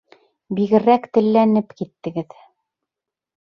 Бигерәк телләнеп киттегеҙ!